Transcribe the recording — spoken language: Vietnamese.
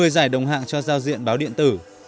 một mươi giải đồng hạng cho giao diện báo điện tử